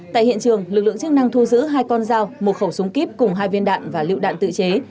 tại hiện trường lực lượng chức năng thu giữ hai con dao một khẩu súng kíp cùng hai viên đạn và liệu đạn tự chế